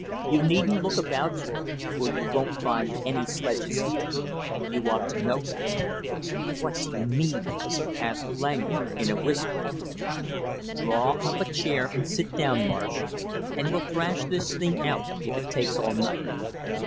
You needn't look about you, for you won't find any sledges here; you ought to know that." "What do you mean " asked Langham in a whisper. "Draw up a chair and sit down, Marsh, and we'll thrash this thing out if it takes all night.